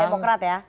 ke demokrat ya